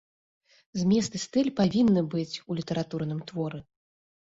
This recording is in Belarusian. Змест і стыль павінны быць у літаратурным творы.